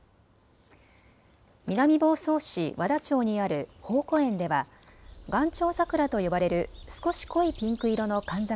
南房総市和田町にある抱湖園では元朝桜と呼ばれる少し濃いピンク色の寒桜